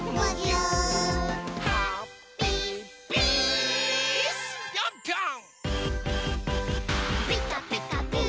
うん！